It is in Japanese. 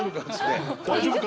大丈夫か？